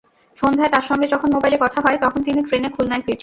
সন্ধ্যায় তাঁর সঙ্গে যখন মোবাইলে কথা হয়, তখন তিনি ট্রেনে খুলনায় ফিরছেন।